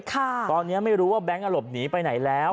ตอนนี้ไม่รู้ว่าแบงค์หลบหนีไปไหนแล้ว